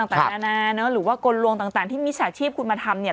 ต่างฐานาหรือว่ากลวงต่างที่มีสาธิตคุณมาทำเนี้ย